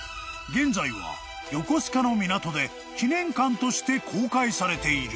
［現在は横須賀の港で記念館として公開されている］